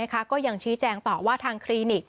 ก็ยังชี้แจงต่อว่าทางคลินิก